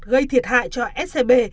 gây thiệt hại cho scb